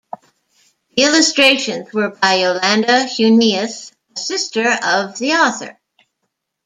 The illustrations were by Yolanda Huneeus, a sister of the author.